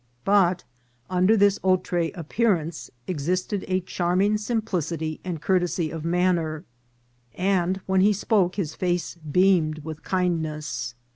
But under this outre appearance ex isted a charming simplicity and courtesy of manner, and when he spoke his face beamed with kindness.